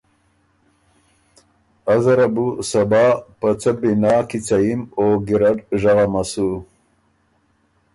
ازه ره بو صبا په څۀ بنا کیڅه یِم او ګیرډ ژغمه سُو